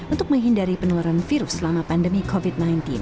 untuk menghindari penularan virus selama pandemi covid sembilan belas